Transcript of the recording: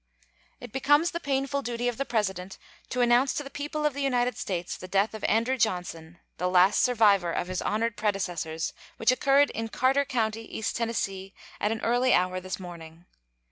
It becomes the painful duty of the President to announce to the people of the United States the death of Andrew Johnson, the last survivor of his honored predecessors, which occurred in Carter County, East Tennessee, at an early hour this morning.